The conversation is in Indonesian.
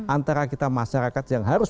antara kita masyarakat yang harus